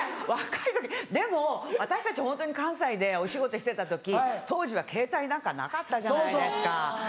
若い時でも私たちホントに関西でお仕事してた時当時はケータイなんかなかったじゃないですか。